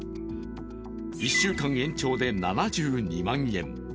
１週間延長で７２万円。